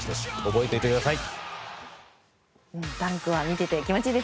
覚えておいてください。